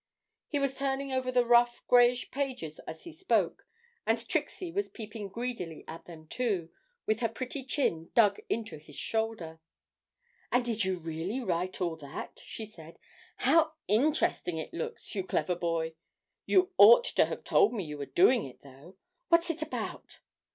He was turning over the rough greyish pages as he spoke, and Trixie was peeping greedily at them, too, with her pretty chin dug into his shoulder. 'And did you really write all that?' she said; 'how interesting it looks, you clever boy! You might have told me you were doing it, though. What's it about?'